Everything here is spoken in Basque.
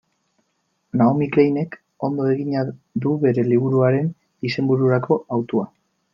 Naomi Kleinek ondo egina du bere liburuaren izenbururako hautua.